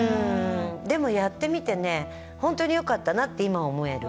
でもやってみて本当によかったなって今は思える。